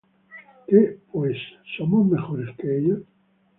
¿Qué pues? ¿Somos mejores que ellos?